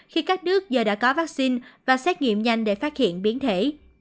khi các nước giờ đã có vaccine và xét nghiệm nhanh để phát hiện biến thể